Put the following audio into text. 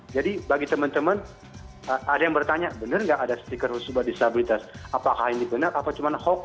jadi bagi teman teman ada yang bertanya benar nggak ada stiker khusus buat disabilitas apakah ini benar apa cuma hoax